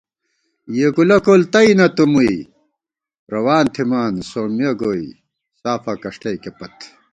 یېکولہ کول تئ نہ تُوم مُوئی ، روان تھِمان سومِّہ گوئے، سافہ اکݭٹئیکےپت